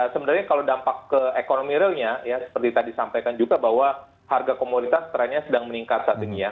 sebenarnya kalau dampak ke ekonomi realnya ya seperti tadi sampaikan juga bahwa harga komoditas trennya sedang meningkat saat ini ya